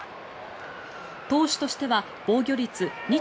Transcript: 投手としては防御率２．４４。